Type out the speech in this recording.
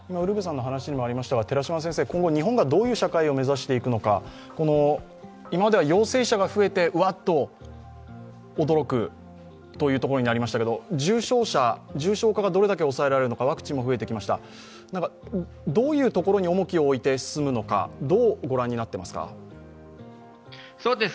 今後、日本がどういう社会を目指していくのか、今までは陽性者が増えて、ワッと驚くというところでしたけど重症化がどれだけ抑えられるのか、ワクチンも増えてきました、どういうところに重きを置いて進むのか、どうご覧になっていますか？